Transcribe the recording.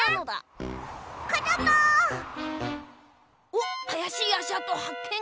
おっあやしいあしあとはっけん！